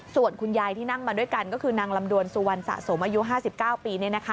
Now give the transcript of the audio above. ส่วนคุณยายที่นั่งมาด้วยกันก็คือนางลำดวนสุวรรณสะสมอายุ๕๙ปี